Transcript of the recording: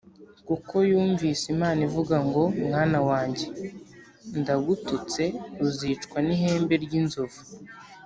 kuko yumvise Imana ivuga ngo "Mwana wanjye ndagututse uzicwa n' ihembe ry' inzovu."